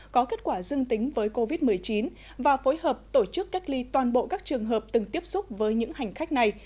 có kết quả dương tính với covid một mươi chín và phối hợp tổ chức cách ly toàn bộ các trường hợp từng tiếp xúc với những hành khách này